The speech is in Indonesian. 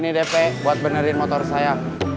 ini dp buat benerin motor saya